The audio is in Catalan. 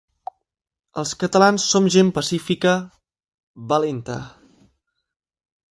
Els catalans som gent pacífica, valenta.